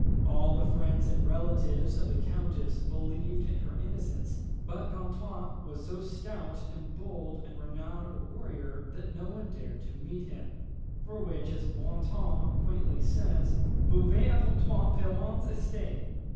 All the friends and relatives of the countess believed in her innocence; but Gontran was so stout and bold and renowned a warrior that no one dared to meet him, for which, as Brantôme quaintly says, "mauvais et poltrons parens estaient."